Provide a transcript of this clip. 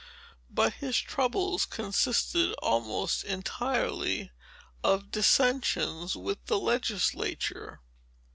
But his troubles consisted almost entirely of dissensions with the legislature.